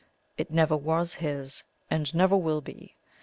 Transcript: It never was his, and never will be.